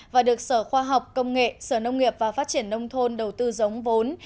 và được sở khoa học công nghệ sở nông nghiệp và phát triển nông thôn đầu tư giống vốn